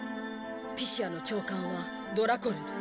ピシアの長官はドラコルル。